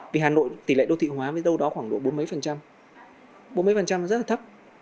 vì hà nội tỷ lệ đô thị hóa với đâu đó khoảng độ bốn mấy phần trăm bốn mấy phần trăm rất là thấp